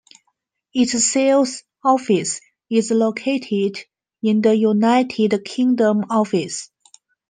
Its sales office is located in the United Kingdom office.